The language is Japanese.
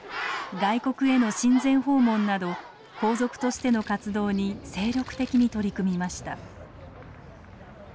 外国への親善訪問など皇族としての活動に精力的に取り組みました。